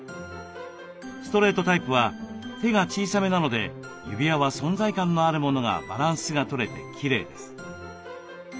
ストレートタイプは手が小さめなので指輪は存在感のあるものがバランスがとれてきれいです。